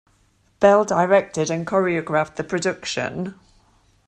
Bell directed and choreographed the production.